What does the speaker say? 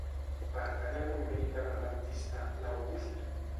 Pertany al moviment independentista l'August?